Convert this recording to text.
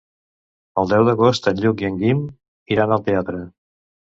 El deu d'agost en Lluc i en Guim iran al teatre.